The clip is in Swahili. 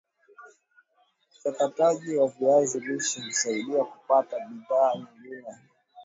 uchakataji wa viazi lishe husaidia kupata bidhaa nyingine